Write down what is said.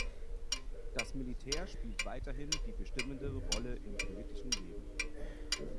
Das Militär spielt weiterhin die bestimmende Rolle im politischen Leben.